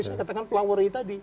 saya katakan pelawari tadi